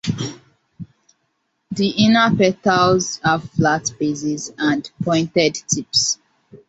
The inner petals have flat bases and pointed tips.